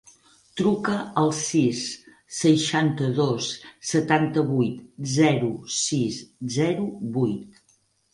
Truca al sis, seixanta-dos, setanta-vuit, zero, sis, zero, vuit.